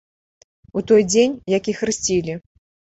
У той дзень, як і хрысцілі.